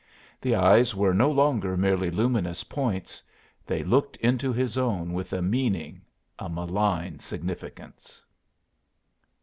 The eyes were no longer merely luminous points; they looked into his own with a meaning, a malign significance.